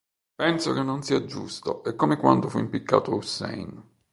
Penso che non sia giusto, è come quando fu impiccato Hussein.